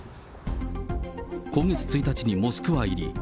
今月１日にモスクワ入り。